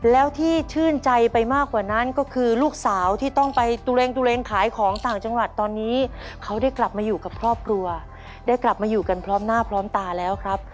แล้วที่ชื่นใจไปมากกว่านั้นก็คือลูกสาวที่ต้องไปตัวเองขายของต่างจังหวัดตอนนี้เขาได้กลับมาอยู่กับครอบครัวได้กลับมาอยู่กันพร้อมหน้าพร้อมตาแล้วครับ